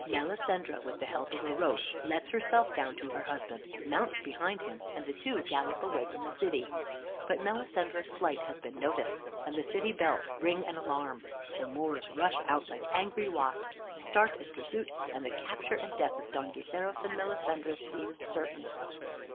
Melisendra, with the help of a rope, lets herself down to her husband, mounts behind him, and the two gallop away from the city. But Melisendra's flight has been noticed, and the city bells ring an alarm. The Moors rush out like angry wasps, start in pursuit, and the capture and death of Don Gayferos and Melisendra seem certain.